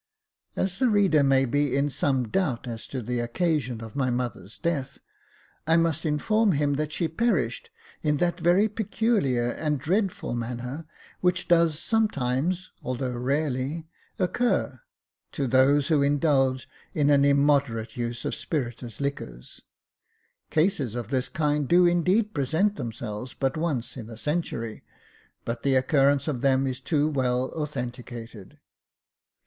As the reader may be in some doubt as to the occasion of my mother's death, I must inform him that she perished in that very peculiar and dreadful manner, which does sometimes, although rarely, occur, to those who indulge in an immoderate use of spirituous liquors. Cases of this kind do indeed present themselves but once in a century, but the occurrence of them is too well authenticated.